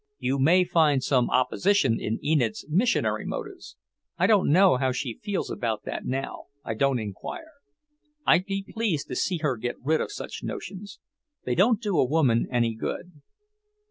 "You may find some opposition in Enid's missionary motives. I don't know how she feels about that now. I don't enquire. I'd be pleased to see her get rid of such notions. They don't do a woman any good."